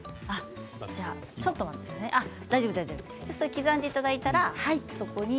刻んでいただいたらそこに。